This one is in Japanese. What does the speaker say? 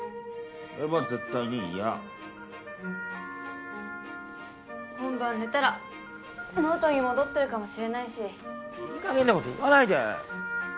それは絶対に嫌今晩寝たら元に戻ってるかもしれないしいい加減なこと言わないで！